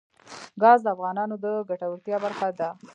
ګاز د افغانانو د ګټورتیا برخه ده.